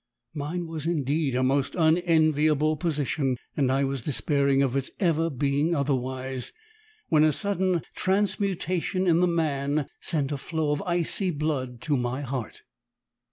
Mine was indeed a most unenviable position, and I was despairing of its ever being otherwise, when a sudden transmutation in the man sent a flow of icy blood to my heart.